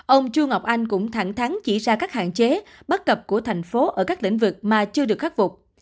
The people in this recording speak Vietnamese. ông chu ngọc anh cũng thẳng thắn chỉ ra các hạn chế bất cập của thành phố ở các lĩnh vực mà chưa được khắc phục